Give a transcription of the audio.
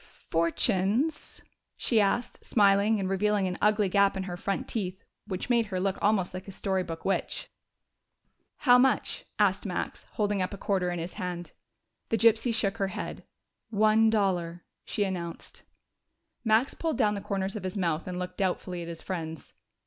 "Fortunes?" she asked, smiling, and revealing an ugly gap in her front teeth, which made her look almost like a story book witch. "How much?" asked Max, holding up a quarter in his hand. The gypsy shook her head. "One dollar," she announced. Max pulled down the corners of his mouth and looked doubtfully at his friends.